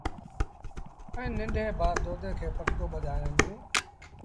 ائيٚݩ ننڍي ڀآ دودي کي پٽڪو ٻڌآيآندون۔